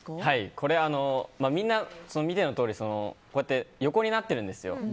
これは、みんな見てのとおり横になってるんですよ。